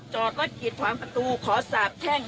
จอดรถกิดขวางประตูขอสาบแข้ง